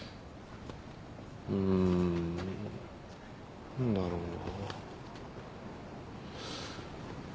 うん何だろうな。